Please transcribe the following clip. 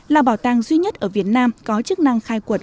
là bảo tàng duy nhất ở việt nam có chức năng khai quật